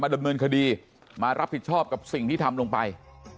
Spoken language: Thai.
ดำเนินคดีมารับผิดชอบกับสิ่งที่ทำลงไป